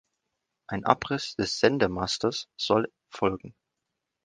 Ein Abriss des Sendemastes soll folgen.